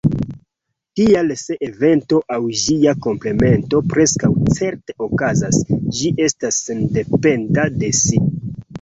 Tial se evento aŭ ĝia komplemento preskaŭ certe okazas, ĝi estas sendependa de si.